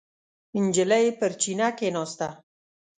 نجلۍ پر چینه کېناسته.